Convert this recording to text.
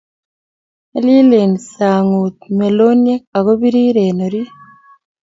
nyalilen sang'ut meloniek aku birir orit.